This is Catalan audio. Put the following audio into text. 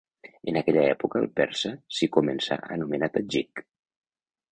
En aquella època el persa s'hi començà a anomenar tadjik.